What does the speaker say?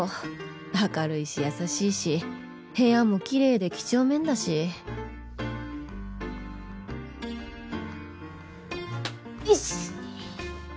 明るいし優しいし部屋もきれいで几帳面だしよし！